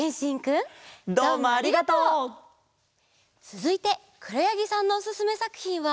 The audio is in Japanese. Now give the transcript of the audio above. つづいてくろやぎさんのおすすめさくひんは？